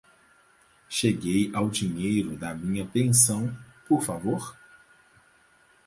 Cheguei ao dinheiro da minha pensão, por favor?